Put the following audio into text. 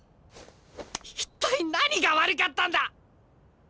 一体何が悪かったんだ！？